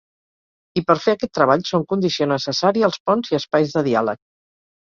I per fer aquest treball són condició necessària els ponts i espais de diàleg.